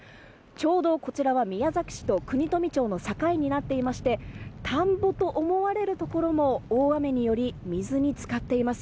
ちょうど、こちらは宮崎市と国富町の境になっていまして田んぼと思われるところも大雨により水に浸かっています。